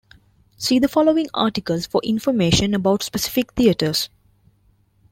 See the following articles for information about specific theatres.